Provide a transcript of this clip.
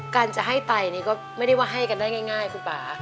การจะให้ไตนี่ก็ไม่ได้ว่าให้กันได้ง่ายคุณป่า